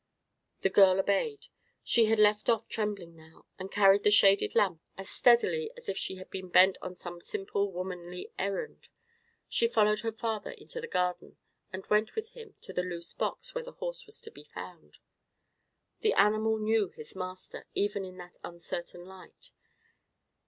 The girl obeyed. She had left off trembling now, and carried the shaded lamp as steadily as if she had been bent on some simple womanly errand. She followed her father into the garden, and went with him to the loose box where the horse was to be found. The animal knew his master, even in that uncertain light.